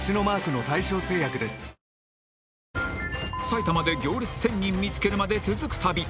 埼玉で行列１０００人見つけるまで続く旅